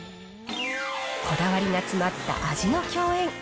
こだわりが詰まった味の饗宴。